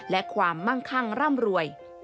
และความมั่งคั่งร่ำรวย